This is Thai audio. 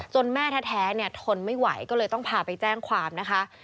แม่แท้ทนไม่ไหวก็เลยต้องพาไปแจ้งความนะคะ